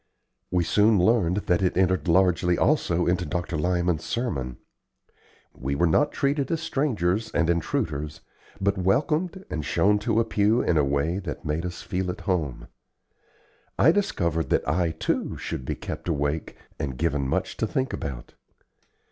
We soon learned that it entered largely also into Dr. Lyman's sermon. We were not treated as strangers and intruders, but welcomed and shown to a pew in a way that made us feel at home. I discovered that I, too, should be kept awake and given much to think about.